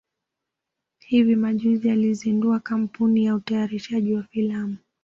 hivi majuzi alizindua kampuni ya utayarishaji wa filamu